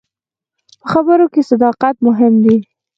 په خبرو کې صداقت مهم دی.